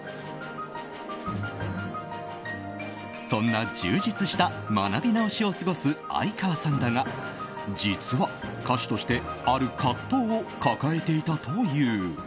そんな充実した学び直しを過ごす相川さんだが実は歌手としてある葛藤を抱えていたという。